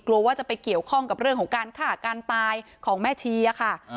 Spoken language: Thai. กลัวว่าจะไปเกี่ยวข้องกับเรื่องของการฆ่าการตายของแม่ชีอะค่ะ